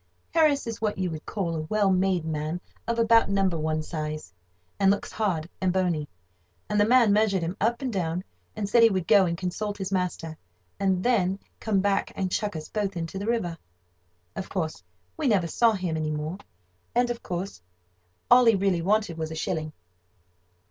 Harris is what you would call a well made man of about number one size, and looks hard and bony, and the man measured him up and down, and said he would go and consult his master, and then come back and chuck us both into the river. Of course, we never saw him any more, and, of course, all he really wanted was a shilling.